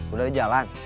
udah di jalan